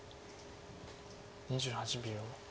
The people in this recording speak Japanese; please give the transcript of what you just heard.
２８秒。